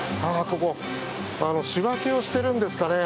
ここ、仕分けをしているんですかね